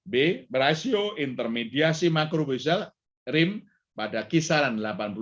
b berasio intermediasi makro grusel rim pada kisaran delapan puluh empat sembilan puluh